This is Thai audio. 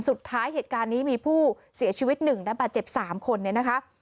สุดท้ายเหตุการณ์นี้มีผู้เสียชีวิต๑และบาดเจ็บ๓คนเนี่ยนะคะ